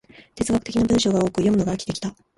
哲学的な文章が多く、読むのが飽きてきた